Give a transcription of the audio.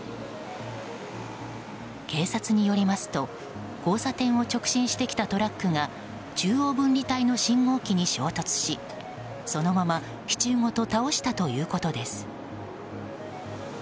警察によりますと交差点を直進してきたトラックが中央分離帯の信号機に衝突しそのまま支柱ごと倒したということです。